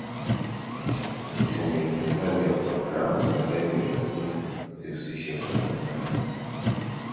utengenezaji wa programu za redio lazima zihusishe watazazanaji